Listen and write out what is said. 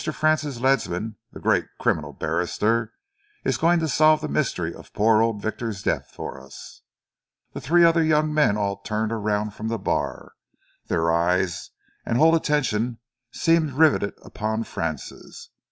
Francis Ledsam, the great criminal barrister, is going to solve the mystery of poor old Victor's death for us!" The three other young men all turned around from the bar. Their eyes and whole attention seemed rivetted upon Francis.